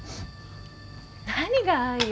何が愛よ！